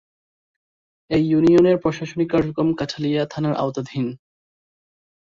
এ ইউনিয়নের প্রশাসনিক কার্যক্রম কাঁঠালিয়া থানার আওতাধীন।